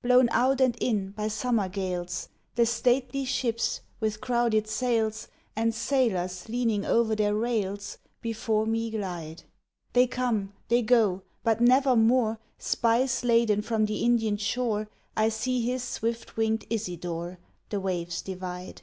"Blown out and in by summer gales, The stately ships, with crowded sails, And sailors leaning o'er their rails, Before me glide; They come, they go, but nevermore, Spice laden from the Indian shore, I see his swift winged Isidore The waves divide.